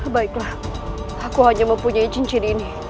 baiklah aku hanya mempunyai cincin ini